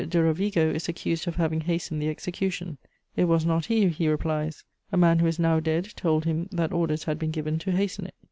de Rovigo is accused of having hastened the execution; it was not he, he replies: a man who is now dead told him that orders had been given to hasten it."